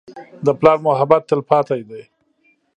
د پلار محبت تلپاتې دی.